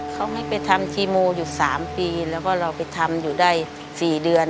เขาให้ไปทำคีโมอยู่๓ปีแล้วก็เราไปทำอยู่ได้๔เดือน